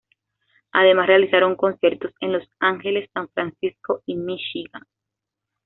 Además realizaron conciertos en Los Ángeles, San Francisco, y Michigan.